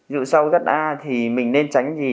ví dụ sau các a thì mình nên tránh những gì